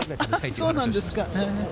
そうなんですか。